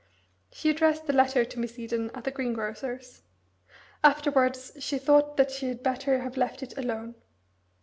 She addressed the letter to Miss Eden at the greengrocer's. Afterwards she thought that she had better have left it alone.